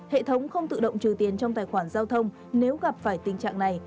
hệ thống không tự động trừ tiền trong tài khoản giao thông nếu gặp phải tình trạng này